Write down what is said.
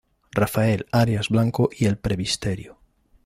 Rafael Arias Blanco y el Pbro.